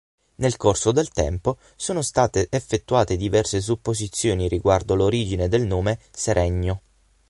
Nel corso del tempo sono state effettuate diverse supposizioni riguardo l'origine del nome Seregno.